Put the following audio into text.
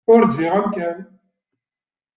Ur ǧǧiɣ amkan.